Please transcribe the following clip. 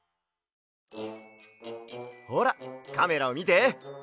ほらカメラをみて。